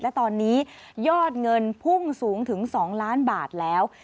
และตอนนี้ยอดเงินพุ่งสูงถึง๒ล้านบาทแล้ว